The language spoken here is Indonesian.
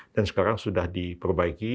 dan sekarang sudah diperbaiki